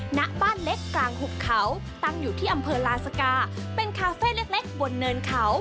หน้าบ้านเล็กกลางหุบเขาตั้งอยู่ที่อำเภอลาสกาเป็นคาเฟ่เล็กบนเนินเขา